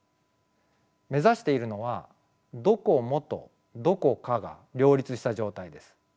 目指しているのは「どこも」と「どこか」が両立した状態です。